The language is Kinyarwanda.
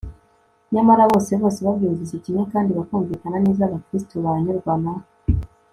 nyamara bose bose babyumvise kimwe kandi bakumvikana neza, abakristu banyurwa na